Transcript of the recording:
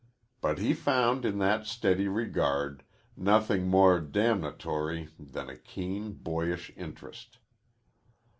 But he found in that steady regard nothing more damnatory than a keen, boyish interest.